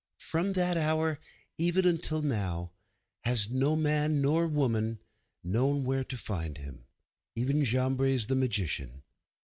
From that hour, even until now, has no man nor woman known where to find him, even Jambres the magician.